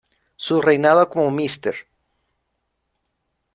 Su reinado como Mr.